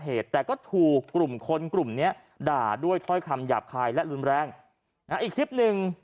เหตุแต่ก็ถูกกลุ่มคนกลุ่มเนี้ยด่าด้วยถ้อยคำหยาบคายและรุนแรงนะอีกคลิปหนึ่ง